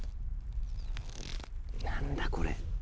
何だこれ。